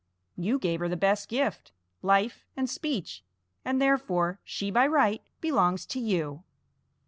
You gave her the best gift, life and speech, and therefore she by right belongs to you."